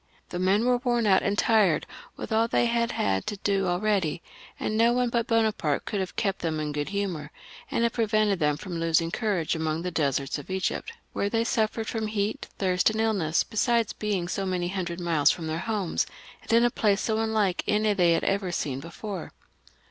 The men were worn out and tired with all they had had to do already, and no one but Bonaparte could have kept them in a good humour, and have pre vented them from losing courage among the deserts of Egypt, where they suffered from heat, thirst, and iUness, besides being so many hundred miles from their homes, and in a place ao imlLke any they had ever seen before.